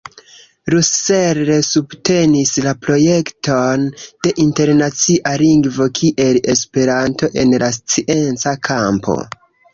Russell subtenis la projekton de internacia lingvo kiel esperanto en la scienca kampo.